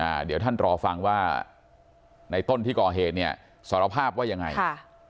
เดี๋ยวท่านรอฟังว่าในต้นที่ก่อเหตุเนี่ยสารภาพว่ายังไงค่ะ